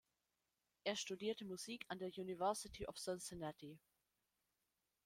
Er studierte Musik an der University of Cincinnati.